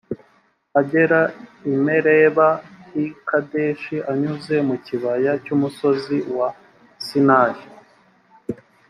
agera i meriba h’i kadeshi anyuze mukibaya cy’umusozi wa sinayi.